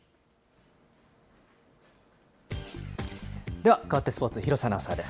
では、変わってスポーツ、廣瀬アナウンサーです。